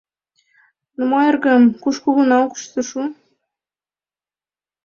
— Ну мо, эргым, куш, кугу наукышко шу.